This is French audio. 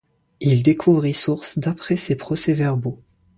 Il découvrit sources d'après ses procès-verbaux.